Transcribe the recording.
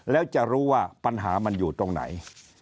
แล้วจะรู้ว่าปัญหามันอยู่ตรงไหน